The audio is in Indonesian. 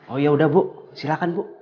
oh yaudah bu silahkan bu